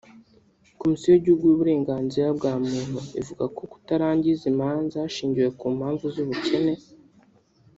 Komisiyo y’Igihugu y’Uburenganzira bwa Muntu ivuga ko kutarangiza imanza hashingiwe ku mpamvu z’ubukene